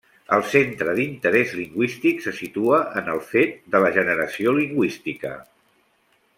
El centre d'interès lingüístic se situa en el fet de la generació lingüística.